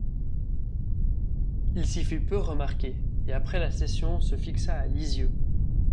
Il s'y fit peu remarquer, et, après la session, se fixa à Lisieux.